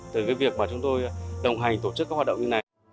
từ việc chúng tôi đồng hành với các bạn